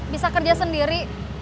bisa kerja sendiri